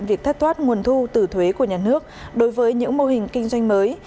việc thất thoát nguồn thu từ thuế của nhà nước đối với những mô hình kinh doanh mới